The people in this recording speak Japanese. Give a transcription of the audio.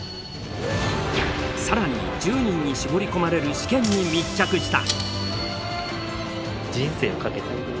更に１０人に絞り込まれる試験に密着した。